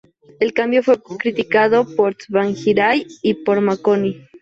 El cambio fue criticado por Tsvangirai y por Makoni.